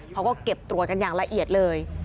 เขาก็เก็บตรวจกันอย่างละเอียดเลย